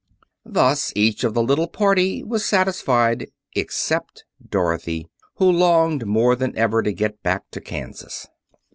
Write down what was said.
Thus each of the little party was satisfied except Dorothy, who longed more than ever to get back to Kansas.